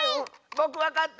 ぼくわかった！